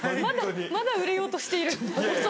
まだ売れようとしている恐ろしい。